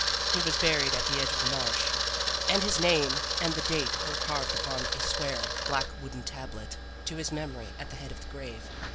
He was buried at the edge of the marsh, and his name and the date were carved upon a square, black, wooden tablet to his memory at the head of the grave.